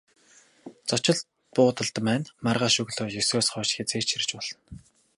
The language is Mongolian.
Зочид буудалд маань маргааш өглөө есөөс хойш хэзээ ч ирж болно.